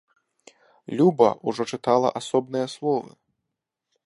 Люба ўжо чытала асобныя словы.